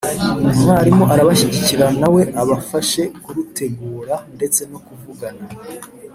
umwarimu arabashyigikira na we abafashe kurutegura ndetse no kuvugana